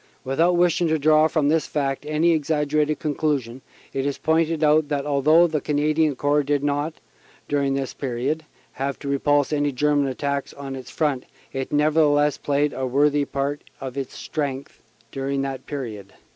Without wishing to draw from this fact any exaggerated conclusion, it is pointed out that although the Canadian Corps did not, dur ing this period, have to repulse any German attacks on its front, it nevertheless played a part worthy of its strength dur ing that period."